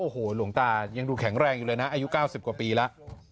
โหหล่วงตายังดูแข็งแรงเลยนะอายุ๙๐กว่าปีละ